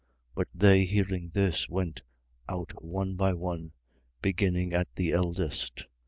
8:9. But they hearing this, went out one by one, beginning at the eldest.